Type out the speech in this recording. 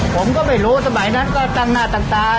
ผมก็ไม่รู้สมัยนั้นก็ตั้งหน้าตั้งตา